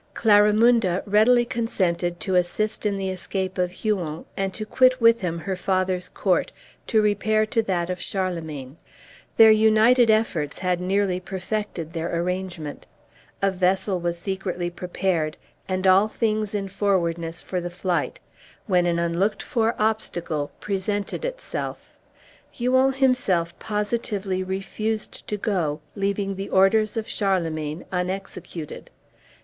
Clarimunda readily consented to assist in the escape of Huon, and to quit with him her father's court to repair to that of Charlemagne. Their united efforts had nearly perfected their arrangement, a vessel was secretly prepared, and all things in forwardness for the flight, when an unlooked for obstacle presented itself. Huon himself positively refused to go leaving the orders of Charlemagne unexecuted.